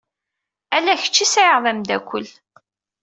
Ala kečč i sɛiɣ d ameddakel.